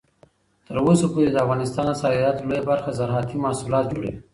تر اوسه پورې د افغانستان د صادراتو لویه برخه زراعتي محصولات جوړوي.